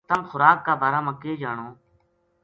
تم خوراک کا بارہ ما کے جانو“